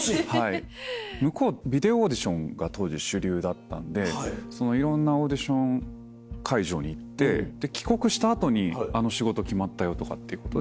向こうビデオオーディションが当時主流だったんでいろんなオーディション会場に行って。とかっていうことで。